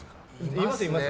います、います。